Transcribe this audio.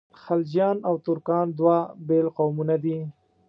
خلجیان او ترکان دوه بېل قومونه دي.